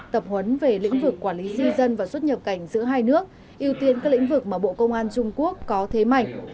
tập huấn về lĩnh vực quản lý di dân và xuất nhập cảnh giữa hai nước ưu tiên các lĩnh vực mà bộ công an trung quốc có thế mạnh